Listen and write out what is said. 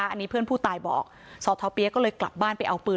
อันนี้เพื่อนผู้ตายบอกสอทอเปี๊ยกก็เลยกลับบ้านไปเอาปืน